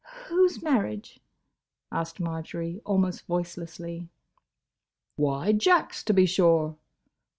"Whose marriage?" asked Marjory, almost voicelessly. "Why, Jack's, to be sure!